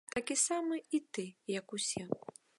Такі самы і ты, як усе.